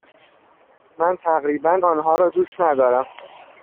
من تقریبا آنها را دوست ندارم.